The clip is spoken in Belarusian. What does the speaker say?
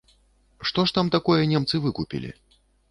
Што ж там такое немцы выкупілі?